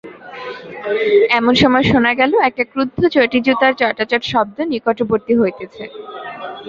এমন সময় শোনা গেল একটা ক্রুদ্ধ চটিজুতার চটাচট শব্দ নিকটবর্তী হইতেছে।